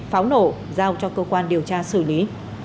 pháo nổ giao cho cơ quan điều tra xử lý